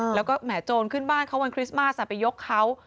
แล้วก็แหมโจรขึ้นบ้านเขาวันคริสต์มาสไปยกเขา